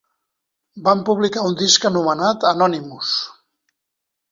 Van publicar un disc anomenat "Anonymous".